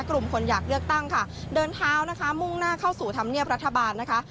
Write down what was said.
กลุ่มคนอยากเลือกตั้งค่ะเดินเท้านะคะมุ่งหน้าเข้าสู่ธรรมเนียบรัฐบาลนะคะ